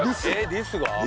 リスが。